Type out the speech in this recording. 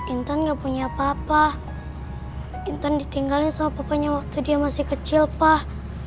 intan nggak punya papa intan ditinggalin sama papanya waktu dia masih kecil pak